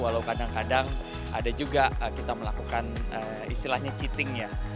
walau kadang kadang ada juga kita melakukan istilahnya cheating ya